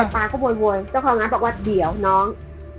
ป๊าก็โวยเจ้าของร้านบอกว่าเดี๋ยวน้อง